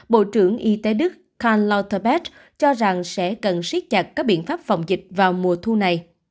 bộ trưởng y tế đức kan lottebeth cho rằng sẽ cần siết chặt các biện pháp phòng dịch vào mùa thu này